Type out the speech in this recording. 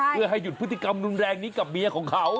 เพื่อให้หยุดพฤติกรรมรุนแรงนี้กับเมียของเขา